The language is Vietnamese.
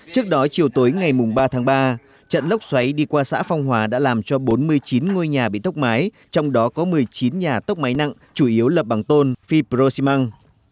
trước đó chiều tối ngày ba tháng ba trận lốc xoáy đi qua xã phong hòa đã làm cho bốn mươi chín ngôi nhà bị tốc mái trong đó có một mươi chín nhà tốc máy nặng chủ yếu là bằng tôn fibro xi măng